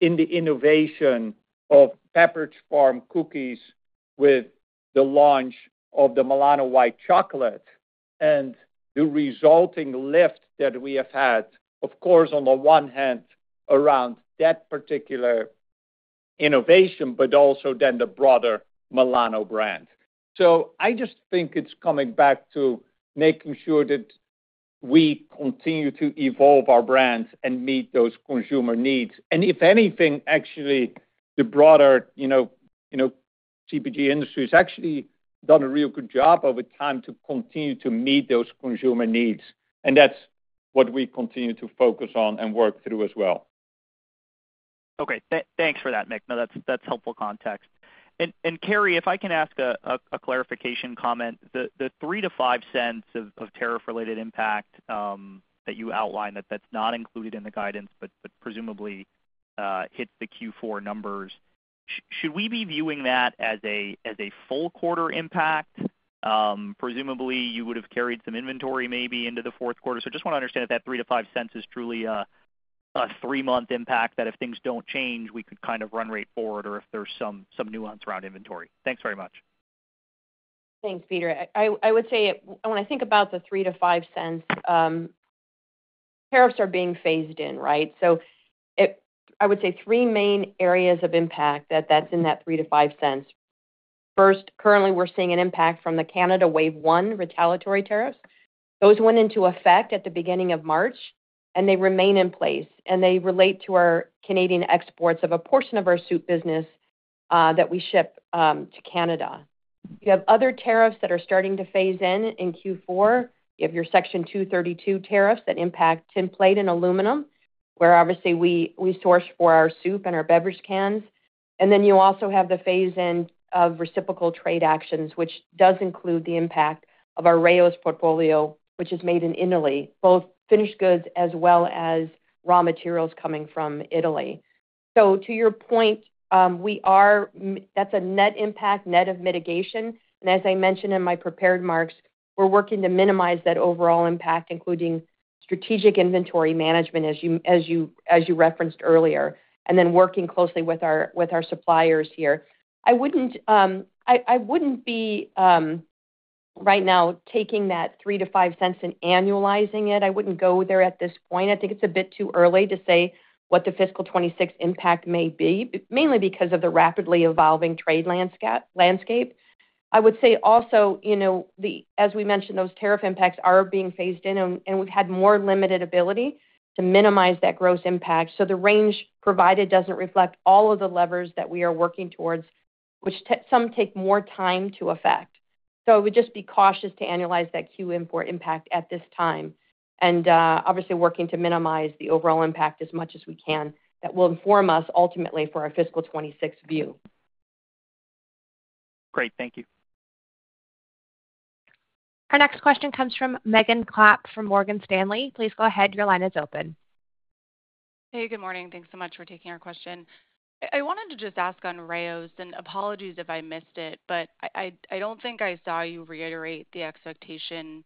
S3: in the innovation of Pepperidge Farm Cookies with the launch of the Milano White Chocolate and the resulting lift that we have had, of course, on the one hand around that particular innovation, but also then the broader Milano brand. I just think it is coming back to making sure that we continue to evolve our brands and meet those consumer needs. If anything, actually, the broader CPG industry has actually done a real good job over time to continue to meet those consumer needs. That is what we continue to focus on and work through as well.
S7: Okay. Thanks for that, Mick. No, that is helpful context. Kerry, if I can ask a clarification comment, the three to five cents of tariff-related impact that you outlined, that's not included in the guidance, but presumably hits the Q4 numbers, should we be viewing that as a full quarter impact? Presumably, you would have carried some inventory maybe into the fourth quarter. Just want to understand if that three to five cents is truly a three-month impact that if things do not change, we could kind of run rate forward or if there is some nuance around inventory. Thanks very much.
S4: Thanks, Peter. I would say when I think about the three to five cents, tariffs are being phased in, right? I would say three main areas of impact are in that three to five cents. First, currently, we are seeing an impact from the Canada Wave 1 retaliatory tariffs. Those went into effect at the beginning of March, and they remain in place. They relate to our Canadian exports of a portion of our soup business that we ship to Canada. You have other tariffs that are starting to phase in in Q4. You have your Section 232 tariffs that impact tin plate and aluminum, where obviously we source for our soup and our beverage cans. You also have the phase-in of reciprocal trade actions, which does include the impact of our Rao's portfolio, which is made in Italy, both finished goods as well as raw materials coming from Italy. To your point, that's a net impact, net of mitigation. As I mentioned in my prepared marks, we're working to minimize that overall impact, including strategic inventory management, as you referenced earlier, and then working closely with our suppliers here. I wouldn't be right now taking that three to five cents and annualizing it. I wouldn't go there at this point. I think it's a bit too early to say what the fiscal 2026 impact may be, mainly because of the rapidly evolving trade landscape. I would say also, as we mentioned, those tariff impacts are being phased in, and we've had more limited ability to minimize that gross impact. So the range provided doesn't reflect all of the levers that we are working towards, which some take more time to affect. I would just be cautious to annualize that Q4 impact at this time and obviously working to minimize the overall impact as much as we can that will inform us ultimately for our fiscal 2026 view.
S7: Great. Thank you.
S1: Our next question comes from Megan Clapp from Morgan Stanley. Please go ahead. Your line is open.
S8: Hey, good morning. Thanks so much for taking our question. I wanted to just ask on Rao's, and apologies if I missed it, but I do not think I saw you reiterate the expectation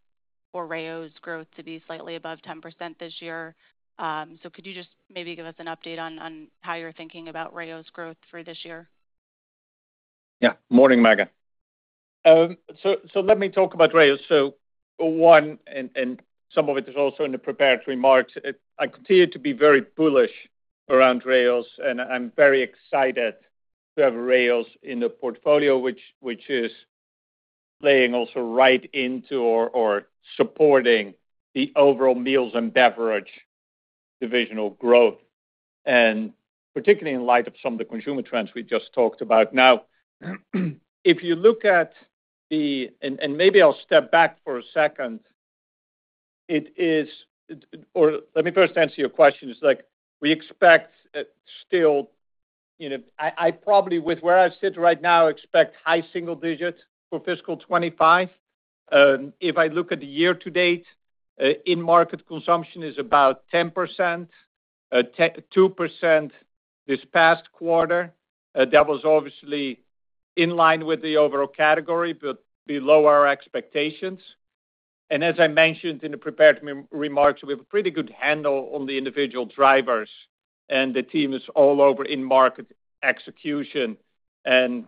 S8: for Rao's growth to be slightly above 10% this year. Could you just maybe give us an update on how you're thinking about Rao's growth for this year?
S3: Yeah. Morning, Megan. Let me talk about Rao's. One, and some of it is also in the prepared remarks, I continue to be very bullish around Rao's, and I am very excited to have Rao's in the portfolio, which is playing also right into or supporting the overall Meals and Beverage divisional growth, particularly in light of some of the consumer trends we just talked about. Now, if you look at the—and maybe I'll step back for a second—let me first answer your question. It's like we expect still—I probably, with where I sit right now, expect high single digits for fiscal 2025. If I look at the year-to-date, in-market consumption is about 10%, 2% this past quarter. That was obviously in line with the overall category, but below our expectations. As I mentioned in the prepared remarks, we have a pretty good handle on the individual drivers, and the team is all over in-market execution. As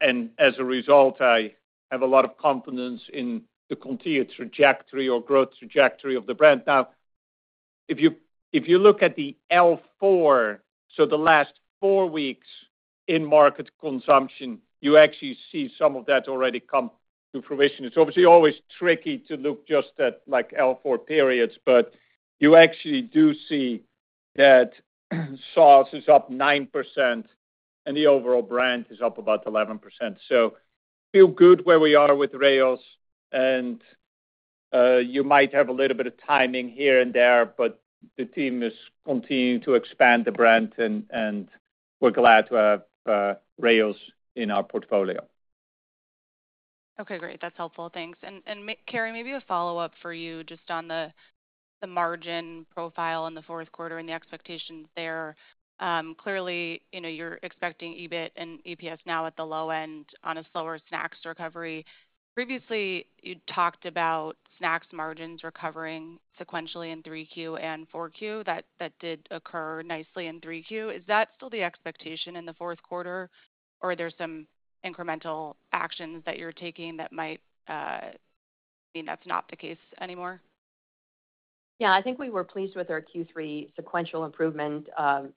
S3: a result, I have a lot of confidence in the continued trajectory or growth trajectory of the brand. Now, if you look at the L4, so the last four weeks in-market consumption, you actually see some of that already come to fruition. It's obviously always tricky to look just at L4 periods, but you actually do see that sauce is up 9%, and the overall brand is up about 11%. Feel good where we are with Rao's. You might have a little bit of timing here and there, but the team is continuing to expand the brand, and we're glad to have Rao's in our portfolio.
S8: Okay. Great. That's helpful. Thanks. And Carrie, maybe a follow-up for you just on the margin profile in the fourth quarter and the expectations there. Clearly, you're expecting EBIT and EPS now at the low end on a slower snacks recovery. Previously, you talked about snacks margins recovering sequentially in Q3 and Q4. That did occur nicely in Q3. Is that still the expectation in the fourth quarter, or are there some incremental actions that you're taking that might mean that's not the case anymore?
S4: Yeah. I think we were pleased with our Q3 sequential improvement,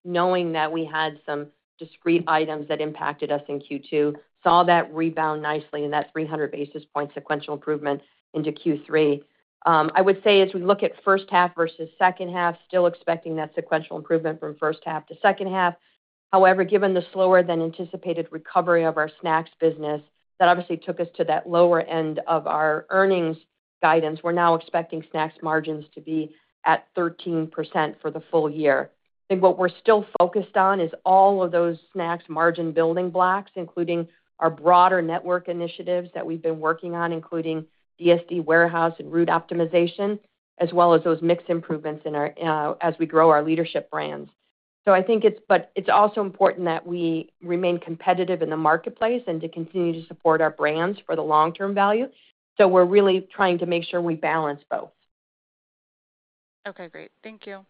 S4: knowing that we had some discrete items that impacted us in Q2, saw that rebound nicely in that 300 basis point sequential improvement into Q3. I would say as we look at first half versus second half, still expecting that sequential improvement from first half to second half. However, given the slower-than-anticipated recovery of our snacks business, that obviously took us to that lower end of our earnings guidance. We're now expecting snacks margins to be at 13% for the full year. I think what we're still focused on is all of those snacks margin building blocks, including our broader network initiatives that we've been working on, including DSD warehouse and route optimization, as well as those mix improvements as we grow our leadership brands. I think it's—but it's also important that we remain competitive in the marketplace and to continue to support our brands for the long-term value. We're really trying to make sure we balance both.
S8: Okay. Great. Thank you.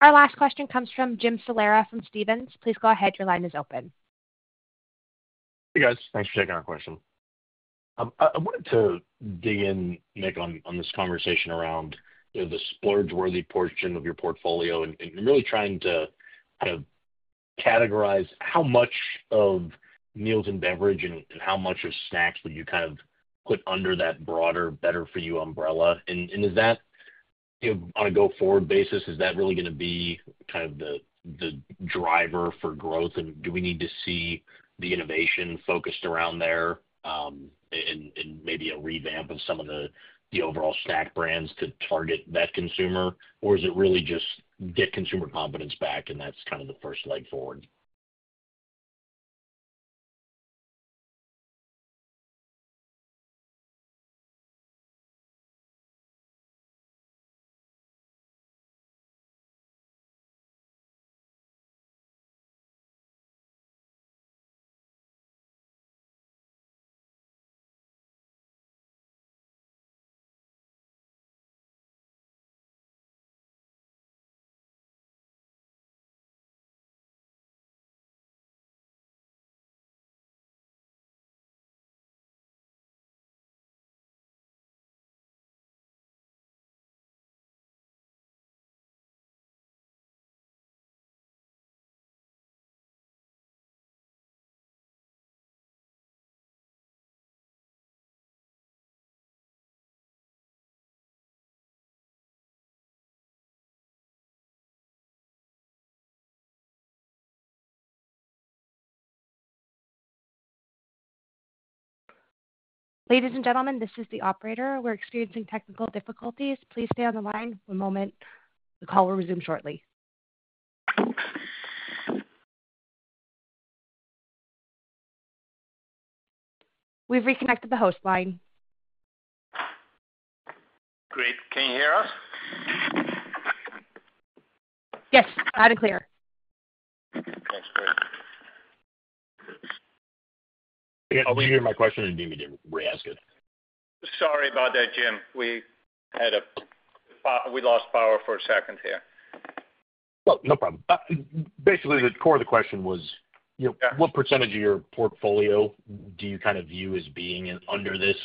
S1: Our last question comes from Jim Solera from Stevens. Please go ahead. Your line is open.
S9: Hey, guys. Thanks for taking our question. I wanted to dig in, Mick, on this conversation around the splurge-worthy portion of your portfolio and really trying to kind of categorize how much of Meals and Beverage and how much of snacks would you kind of put under that broader Better For You umbrella. Is that, on a go-forward basis, really going to be kind of the driver for growth? Do we need to see the innovation focused around there and maybe a revamp of some of the overall snack brands to target that consumer? Or is it really just get consumer confidence back, and that's kind of the first leg forward?
S1: Ladies and gentlemen, this is the operator. We're experiencing technical difficulties. Please stay on the line one moment. The call will resume shortly. We've reconnected the host line.
S3: Great. Can you hear us?
S1: Yes. Loud and clear. Thanks, Kerry.
S9: I'll be hearing my question and then we can re-ask it.
S3: Sorry about that, Jim. We lost power for a second here.
S9: No problem. Basically, the core of the question was, what percentage of your portfolio do you kind of view as being under this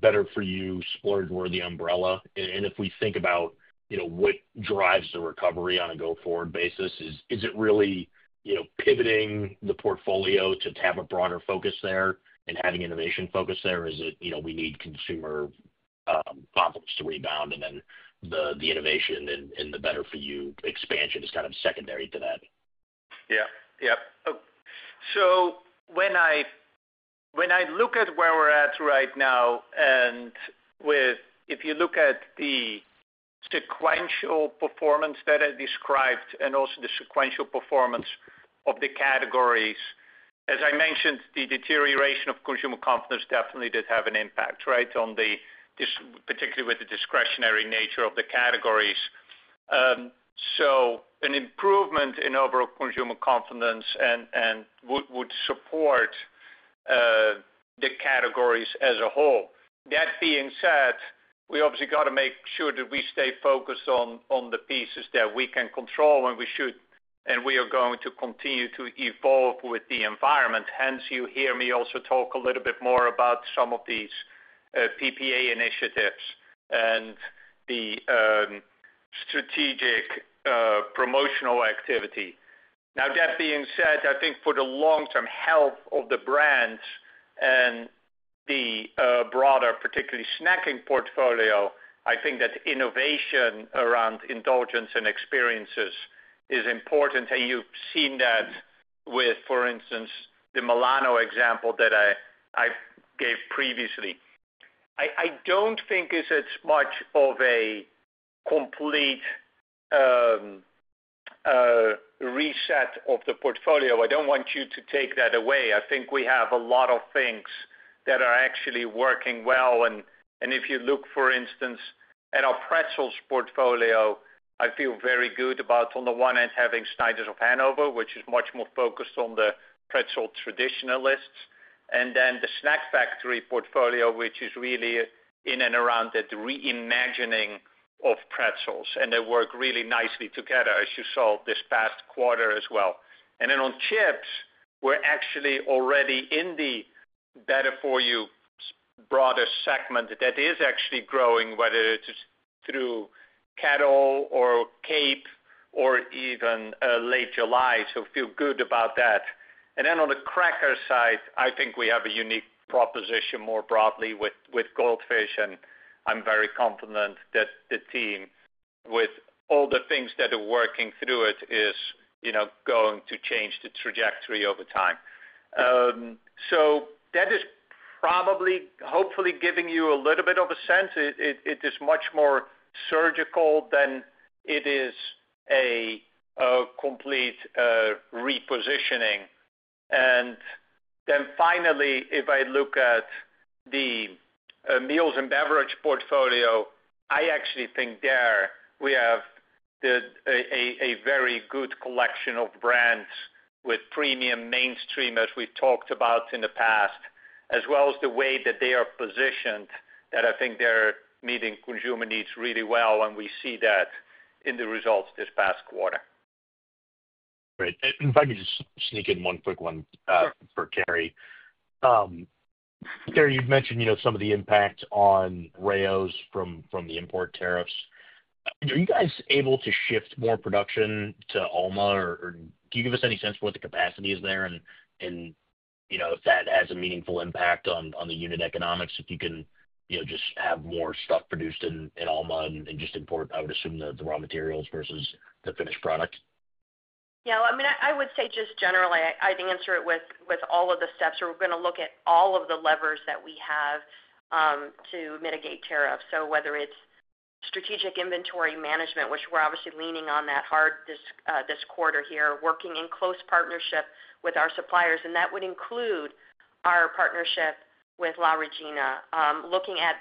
S9: Better For You splurge-worthy umbrella? If we think about what drives the recovery on a go-forward basis, is it really pivoting the portfolio to have a broader focus there and having innovation focus there? Or is it we need consumer confidence to rebound, and then the innovation and the Better For You expansion is kind of secondary to that?
S3: Yeah. Yeah. When I look at where we're at right now, and if you look at the sequential performance that I described and also the sequential performance of the categories, as I mentioned, the deterioration of consumer confidence definitely did have an impact, right, particularly with the discretionary nature of the categories. An improvement in overall consumer confidence would support the categories as a whole. That being said, we obviously got to make sure that we stay focused on the pieces that we can control when we should, and we are going to continue to evolve with the environment. Hence, you hear me also talk a little bit more about some of these PPA initiatives and the strategic promotional activity. That being said, I think for the long-term health of the brands and the broader, particularly snacking portfolio, I think that innovation around indulgence and experiences is important. You have seen that with, for instance, the Milano example that I gave previously. I do not think it is much of a complete reset of the portfolio. I do not want you to take that away. I think we have a lot of things that are actually working well. If you look, for instance, at our pretzels portfolio, I feel very good about, on the one end, having Snyder’s of Hanover, which is much more focused on the pretzel traditionalists, and then the Snack Factory portfolio, which is really in and around that reimagining of pretzels. They work really nicely together, as you saw this past quarter as well. On chips, we're actually already in the Better For You broader segment that is actually growing, whether it's through Kettle or Cape or even Late July. I feel good about that. On the cracker side, I think we have a unique proposition more broadly with Goldfish, and I'm very confident that the team, with all the things that are working through it, is going to change the trajectory over time. That is probably, hopefully, giving you a little bit of a sense. It is much more surgical than it is a complete repositioning. Finally, if I look at the Meals and Beverage portfolio, I actually think there we have a very good collection of brands with premium mainstream, as we've talked about in the past, as well as the way that they are positioned, that I think they're meeting consumer needs really well, and we see that in the results this past quarter.
S9: Great. If I could just sneak in one quick one for Carrie. Carrie, you've mentioned some of the impact on Rao's from the import tariffs. Are you guys able to shift more production to Alma, or can you give us any sense for what the capacity is there and if that has a meaningful impact on the unit economics if you can just have more stuff produced in Alma and just import, I would assume, the raw materials versus the finished product?
S4: Yeah. I mean, I would say just generally, I'd answer it with all of the steps. We're going to look at all of the levers that we have to mitigate tariffs. Whether it's strategic inventory management, which we're obviously leaning on that hard this quarter here, working in close partnership with our suppliers. That would include our partnership with La Regina, looking at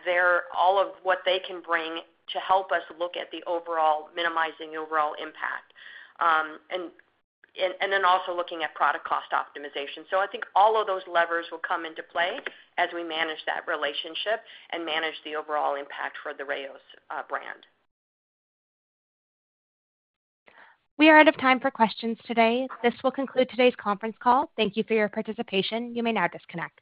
S4: all of what they can bring to help us look at the overall minimizing overall impact, and then also looking at product cost optimization. I think all of those levers will come into play as we manage that relationship and manage the overall impact for the Rao's brand.
S1: We are out of time for questions today. This will conclude today's conference call. Thank you for your participation. You may now disconnect.